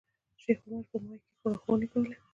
شیخ عمر په مایک کې لارښوونې کولې.